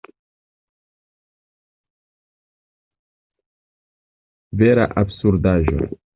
Vera absurdaĵo!